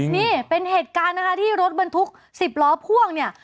นี่เป็นเหตุการณ์นะคะที่รถบรรทุก๑๐ล้อพ่วงเนี่ย